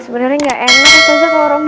semangat bisa kok sarah